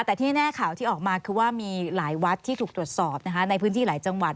แต่ที่แน่ข่าวที่ออกมาคือว่ามีหลายวัดที่ถูกตรวจสอบในพื้นที่หลายจังหวัด